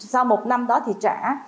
sau một năm đó thì trả